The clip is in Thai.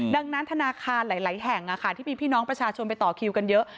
ดังนั้นธนาคารหลายแห่งที่มีพี่น้องประชาชนไปต่อคิวกันเยอะ